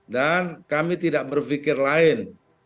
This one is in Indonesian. kami tidak berpikir lain